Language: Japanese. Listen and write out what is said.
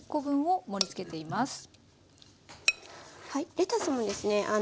レタスもですね